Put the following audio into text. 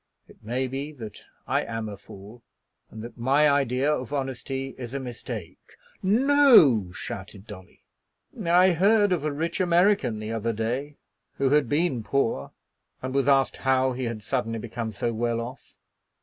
It may be that I am a fool, and that my idea of honesty is a mistake." "No!" shouted Dolly. "I heard of a rich American the other day who had been poor, and was asked how he had suddenly become so well off.